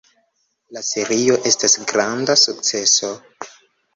La serio estas granda sukceso.